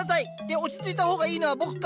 落ち着いた方がいいのは僕か。